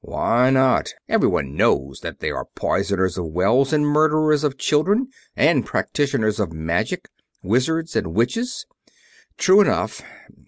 "Why not? Everyone knows that they are poisoners of wells and murderers of children, and practitioners of magic. Wizards and witches." "True enough."